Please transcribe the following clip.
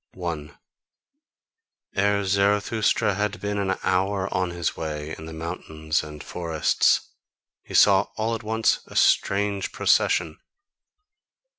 1. Ere Zarathustra had been an hour on his way in the mountains and forests, he saw all at once a strange procession.